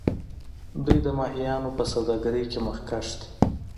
دوی د ماهیانو په سوداګرۍ کې مخکښ دي.